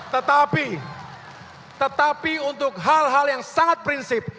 tetapi tetapi untuk hal hal yang sangat prinsip